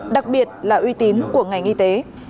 đặc biệt là uy tín của ngành y tế